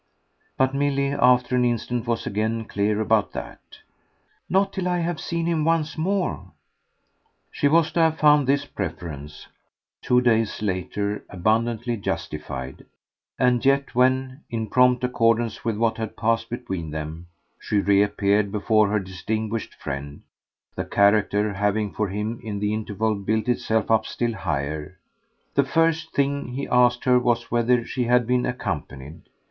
But Milly after an instant was again clear about that. "Not till I've seen him once more." She was to have found this preference, two days later, abundantly justified; and yet when, in prompt accordance with what had passed between them, she reappeared before her distinguished friend that character having for him in the interval built itself up still higher the first thing he asked her was whether she had been accompanied.